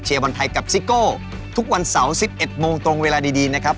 บอลไทยกับซิโก้ทุกวันเสาร์๑๑โมงตรงเวลาดีนะครับ